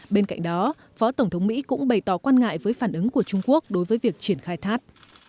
bên cạnh đó phó tổng thống mỹ cũng bày tỏ quan ngại với phản ứng của trung quốc đối với việc triển khai thác